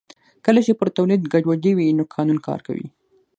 کله چې پر تولید ګډوډي وي نو قانون کار کوي